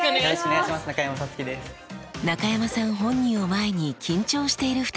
中山さん本人を前に緊張している２人。